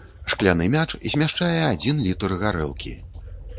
Шкляны мяч змяшчае адзін літр гарэлкі.